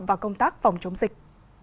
vào công tác phòng chống dịch